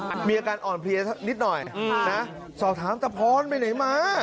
มีอาการอ่อนเพลียสักนิดหน่อยนะสอบถามตะพรไปไหนมา